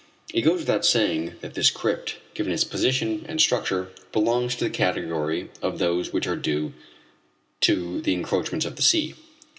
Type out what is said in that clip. It goes without saying that this crypt, given its position and structure, belongs to the category of those which are due to the encroachments of the sea.